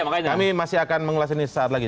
kami masih akan mengulas ini saat lagi